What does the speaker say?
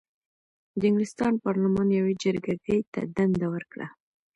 د انګلستان پارلمان یوې جرګه ګۍ ته دنده ورکړه.